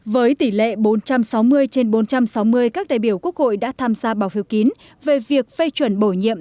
với tỷ lệ bốn trăm sáu mươi trên bốn trăm sáu mươi các đại biểu quốc hội đã tham gia bỏ phiếu kín về việc phê chuẩn bổ nhiệm